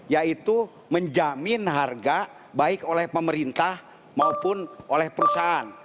yaitu menjamin harga baik oleh pemerintah maupun oleh perusahaan